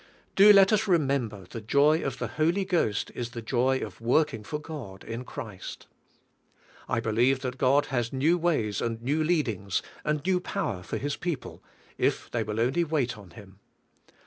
Do let us remember the joy of the Holy Ghost is the joy of working for God in Christ. I believe that God has new ways and new leadings and new power for His people, if they will only wait on Him.